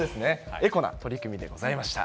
エコな取り組みでございました。